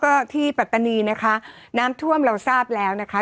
ก็ที่ปัตตานีนะคะน้ำท่วมเราทราบแล้วนะคะ